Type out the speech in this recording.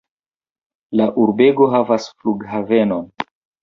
La urbego havas flughavenon.